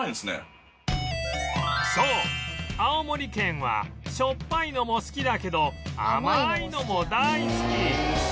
そう青森県はしょっぱいのも好きだけど甘いのも大好き